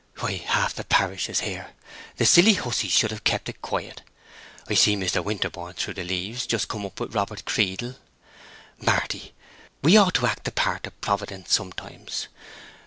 "Why, half the parish is here—the silly hussies should have kept it quiet. I see Mr. Winterborne through the leaves, just come up with Robert Creedle. Marty, we ought to act the part o' Providence sometimes.